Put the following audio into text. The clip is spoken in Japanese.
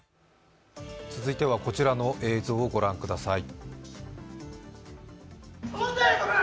続いてはこちらの映像をご覧ください。